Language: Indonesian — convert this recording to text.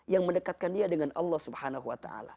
yang mendekatkan dia dengan allah swt